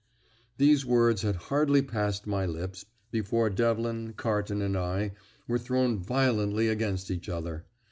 These words had hardly passed my lips before Devlin, Carton, and I were thrown violently against each other.